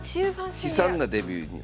悲惨なデビューになった。